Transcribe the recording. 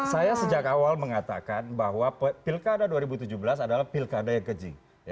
saya sejak awal mengatakan bahwa pilkada dua ribu tujuh belas adalah pilkada yang keji